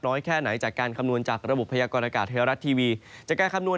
แค่ไหนจากการคำนวณจากระบบพยากรณากาศไทยรัฐทีวีจากการคำนวณ